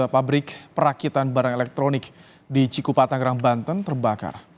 pabrik perakitan barang elektronik di cikupatang rangbanten terbakar